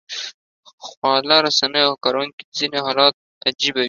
خواله رسنیو کاروونکو ځینې حالات عجيبه وي